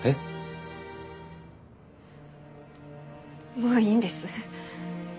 もういいんです。